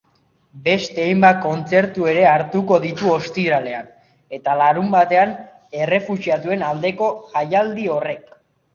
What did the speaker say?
Beste hainbat kontzertu ere hartuko ditu ostiralean eta larunbatean errefuxiatuen aldeko jaialdi horrek.